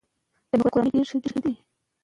که صابون وي نو جراثیم نه پاتیږي.